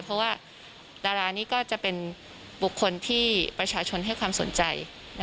เพราะว่าดารานี้ก็จะเป็นบุคคลที่ประชาชนให้ความสนใจ